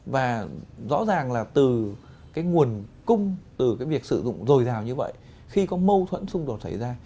và rõ ràng là từ cái nguồn cung từ cái việc sử dụng dồi dào như vậy khi có mâu thuẫn xung đột xảy ra